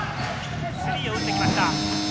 スリーを打ってきました。